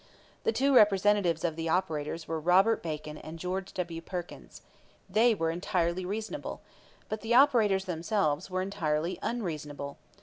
The two representatives of the operators were Robert Bacon and George W. Perkins. They were entirely reasonable. But the operators themselves were entirely unreasonable.